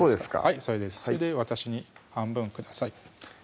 はいそれで私に半分ください